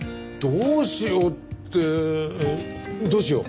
どうしようってどうしよう。